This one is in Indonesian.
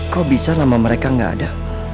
kok bisa nama mereka gak ada